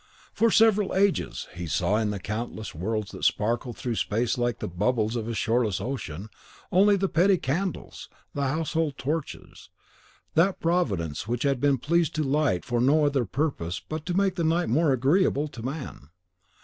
For several ages he saw in the countless worlds that sparkle through space like the bubbles of a shoreless ocean only the petty candles, the household torches, that Providence had been pleased to light for no other purpose but to make the night more agreeable to man.